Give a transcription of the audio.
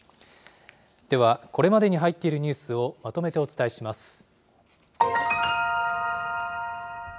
ではこれまでに入っているニュースをまとめてお伝えします。